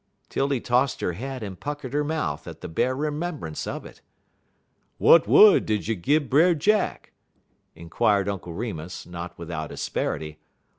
'Tildy tossed her head and puckered her mouth at the bare remembrance of it. "W'at wud did you gin Brer Jack?" inquired Uncle Remus, not without asperity.